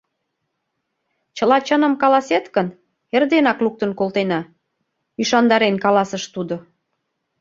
— Чыла чыным каласет гын, эрденак луктын колтена, — ӱшандарен каласыш тудо.